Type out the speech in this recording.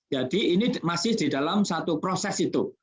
jadi ini masih di dalam satu proses itu